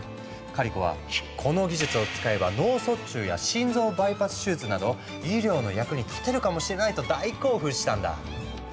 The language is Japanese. カリコは「この技術を使えば脳卒中や心臓バイパス手術など医療の役にたてるかもしれない」と大興奮したんだ。